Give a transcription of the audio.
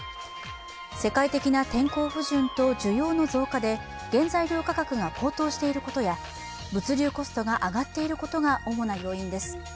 世界的な天候不順と需要の増加で原材料価格が高騰していることや物流コストが上がっていることが主な要因です。